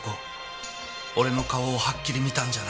俺の顔をはっきり見たんじゃないか。